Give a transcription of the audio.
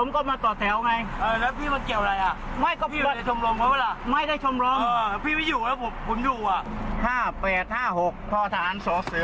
ข้างหน้าหกภอทานสวกเสือ